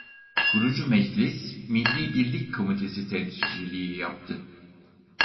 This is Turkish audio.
Kurucu Meclis Milli Birlik Komitesi Temsilciliği yaptı.